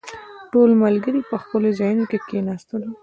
ټول ملګري په خپلو ځايونو کې کښېناستلو.